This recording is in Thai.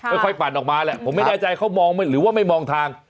ค่อยปั่นออกมาแหละผมไม่แน่ใจเขามองหรือว่าไม่มองทาง